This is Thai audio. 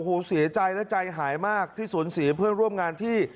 โอ้โหเสียใจและใจหายมากที่สูญเสียเพื่อนร่วมงานที่